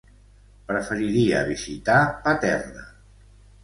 Preferiria visitar Paterna.